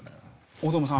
大友さん